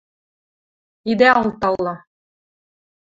– Идӓ алталы!